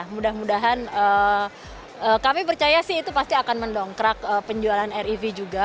mudah mudahan kami percaya sih itu pasti akan mendongkrak penjualan rev juga